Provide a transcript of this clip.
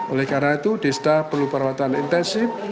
oleh karena itu desta perlu perawatan intensif